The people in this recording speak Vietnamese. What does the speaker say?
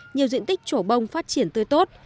nhiều diện tích chỗ bông phát triển tươi tốt